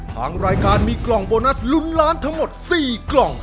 ทางรายการมีกล่องโบนัสลุ้นล้านทั้งหมด๔กล่อง